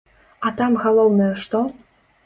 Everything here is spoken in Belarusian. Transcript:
А там галоўнае што?